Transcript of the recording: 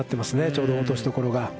ちょうど落としどころが。